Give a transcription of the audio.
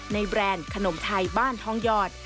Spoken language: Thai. แบรนด์ขนมไทยบ้านทองหยอด